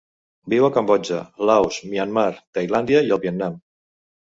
Viu a Cambodja, Laos, Myanmar, Tailàndia i el Vietnam.